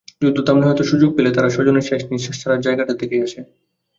যুদ্ধ থামলে হয়তো সুযোগ পেলে তারা স্বজনের শেষনিঃশ্বাস ছাড়ার জায়গাটা দেখে আসে।